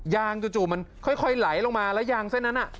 ยางจู่จู่มันค่อยค่อยไหลลงมาแล้วยางเส้นนั้นอ่ะ